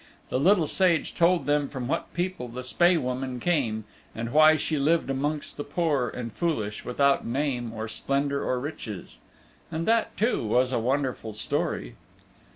The Little Sage told them from what people the Spae Woman came and why she lived amongst the poor and foolish without name or splendor or riches. And that, too, was a wonderful story.